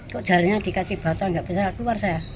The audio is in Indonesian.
kok jari nya dikasih bata gak bisa lah keluar saya